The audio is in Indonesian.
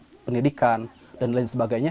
pendidikan dan lain sebagainya